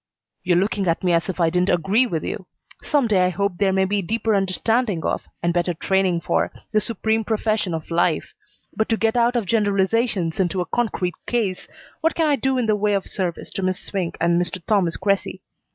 "You're looking at me as if I didn't agree with you. Some day I hope there may be deeper understanding of, and better training for, the supreme profession of life; but to get out of generalizations into a concrete case, what can I do in the way of service to Miss Swink and Mr. Thomas Cressy?